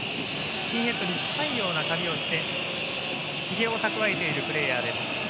スキンヘッドに近いような髪をしてひげを蓄えているプレーヤーです。